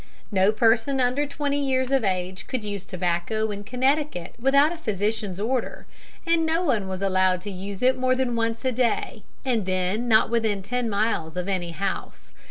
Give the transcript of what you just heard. No person under twenty years of age could use tobacco in Connecticut without a physician's order, and no one was allowed to use it more than once a day, and then not within ten miles of any house.